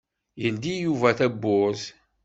Yeldi Yuba tawwurt.